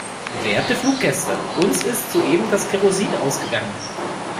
Werte Fluggäste, uns ist soeben das Kerosin ausgegangen.